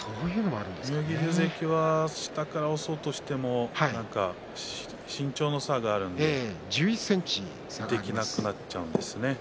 妙義龍関は下から押そうとしても身長の差がありますのでできなくなっちゃうんですね。